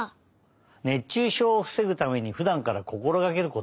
熱中症をふせぐためにふだんからこころがけることはありますか？